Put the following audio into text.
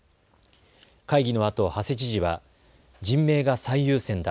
会議のあと馳知事は人命が最優先だ。